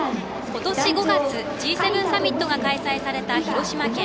今年５月Ｇ７サミットが開催された広島県。